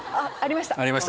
ありました！